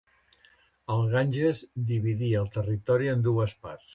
El Ganges dividia el territori en dues parts.